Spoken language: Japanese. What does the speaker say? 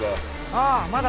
ああまだ